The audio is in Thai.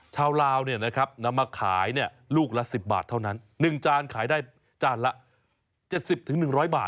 ชาวลาวนำมาขายลูกละ๑๐บาทเท่านั้น๑จานขายได้จานละ๗๐๑๐๐บาท